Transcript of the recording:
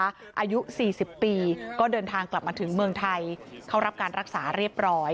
อายุ๔๐ปีก็เดินทางกลับมาถึงเมืองไทยเข้ารับการรักษาเรียบร้อย